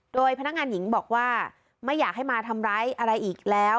โดยพนักงานหญิงบอกว่าไม่อยากให้มาทำร้ายอะไรอีกแล้ว